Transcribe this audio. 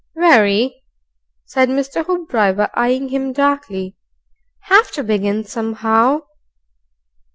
"Very," said Mr. Hoopdriver, eyeing him darkly. Have to begin somehow.